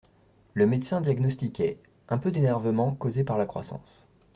Le médecin diagnostiquait : un peu d'énervement causé par la croissance.